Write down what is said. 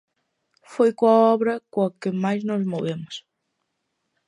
Foi coa obra coa que máis nos movemos.